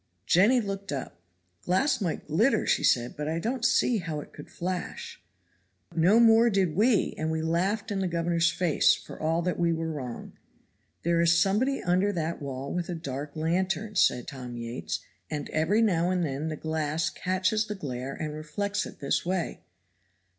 Jenny looked up. "Glass might glitter," said she, "but I don't see how it could flash." "No more did we, and we laughed in the governor's face; for all that we were wrong. 'There is somebody under that wall with a dark lantern,' said Tom Yates, 'and every now and then the glass catches the glare and reflects it this way.'